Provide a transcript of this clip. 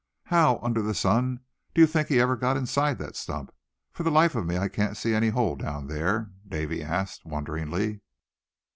"How under the sun d'ye think he ever got inside that stump; for the life of me I can't see any hole down here?" Davy asked, wonderingly.